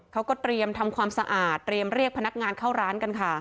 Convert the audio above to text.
เขาก็เตรียมทำความสะอาดเตรียมเรียกพนักงานเข้าร้านกันค่ะ